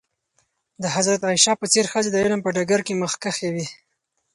د حضرت عایشه په څېر ښځې د علم په ډګر کې مخکښې وې.